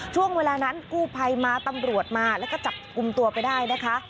ช่วงเวลานั้นกู้ภัยมาตำรวจมาแล้วก็จับกลุ่มตัวไปได้นะคะ